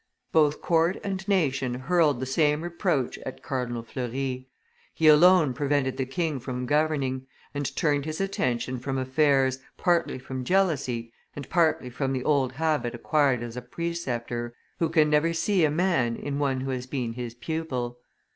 Both court and nation hurled the same reproach at Cardinal Fleury; he alone prevented the king from governing, and turned his attention from affairs, partly from jealousy, and partly from the old habit acquired as a preceptor, who can never see a man in one who has been his pupil.